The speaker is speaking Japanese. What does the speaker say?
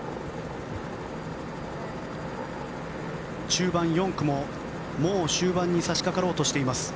中盤４区も、もう終盤に差し掛かろうとしています。